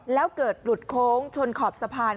แล้วเกิดหลุดโค้งชนขอบสะพาน